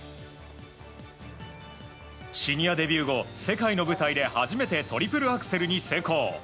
シニアデビュー後世界の舞台で初めてトリプルアクセルに成功。